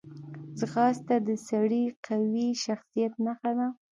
ځغاسته د سړي قوي شخصیت نښه ده